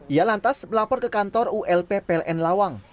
ia lantas melapor ke kantor ulp pln lawang